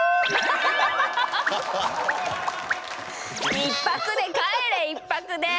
１泊で帰れ１泊で。